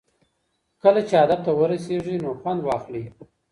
کله چې هدف ته ورسېږئ نو خوند واخلئ.